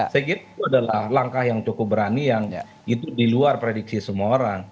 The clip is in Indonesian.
saya kira itu adalah langkah yang cukup berani yang itu di luar prediksi semua orang